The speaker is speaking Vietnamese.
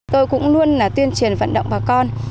tôi cũng luôn tuyên truyền vận động bà con